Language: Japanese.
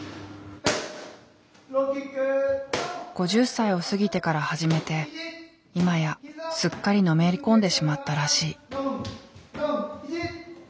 ５０歳を過ぎてから始めて今やすっかりのめり込んでしまったらしい。